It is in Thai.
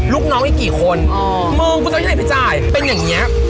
ลูกน้องอีกกี่คนมึงกูจะไปไหนไปจ่ายเป็นอย่างเงี้ย